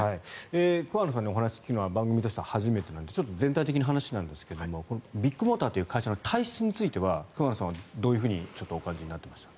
桑野さんにお話を聞くのは番組としては初めてなので全体的な話なんですがビッグモーターという会社の体質については桑野さんはどういうふうにお感じになっていましたか？